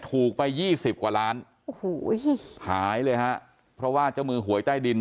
ถูกไปยี่สิบกว่าล้านโอ้โหหายเลยฮะเพราะว่าเจ้ามือหวยใต้ดิน